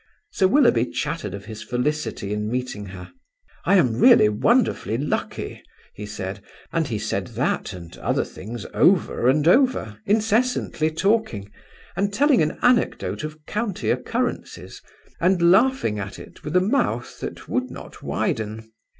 Sir Willoughby chattered of his felicity in meeting her. "I am really wonderfully lucky," he said, and he said that and other things over and over, incessantly talking, and telling an anecdote of county occurrences, and laughing at it with a mouth that would not widen.